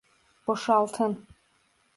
Boşaltın.